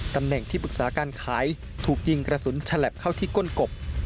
ตำแหน่งที่ปรึกษาการขายถูกยิงกระสุนฉลับเข้าที่ก้นกบ